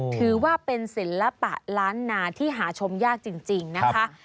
ถือว่าเป็นศิลปะล้านนาที่หาชมยากจริงนะคะ